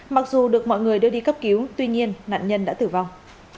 mặc dù được mọi người đưa đi cấp cứu tuy nhiên nạn nhân đã tử vong